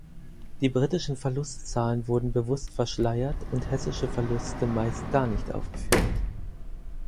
Die britischen Verlustzahlen wurden bewusst verschleiert und Hessische Verluste meist gar nicht aufgeführt.